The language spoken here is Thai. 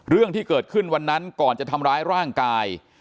เรื่องที่เกิดขึ้นวันนั้นก่อนจะทำร้ายร่างกาย